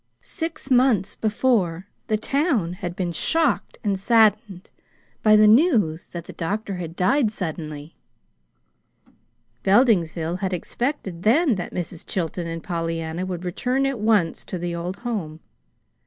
Six months before, the town had been shocked and saddened by the news that the doctor had died suddenly. Beldingsville had expected then that Mrs. Chilton and Pollyanna would return at once to the old home.